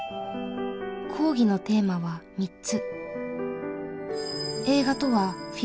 講義のテーマは３つ。